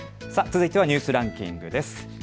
続いてはニュースランキングです。